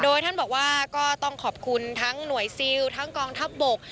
โดยท่านบอกว่าก็ต้องขอบคุณทั้งหน่วยซิลทั้งกองทัพบก